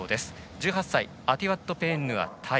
１８歳アティワット・ペーンヌアタイ。